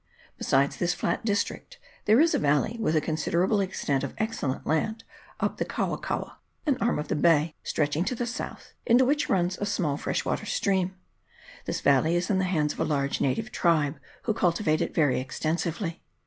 Besides this flat district, there is a valley with a considerable extent of excellent land up the Kaua kaua, an arm of the bay, stretching to the south, into which runs a small fresh water stream. This valley is in the hands of a large native tribe, who cultivate it very extensively.